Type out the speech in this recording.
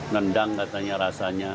nendang katanya rasanya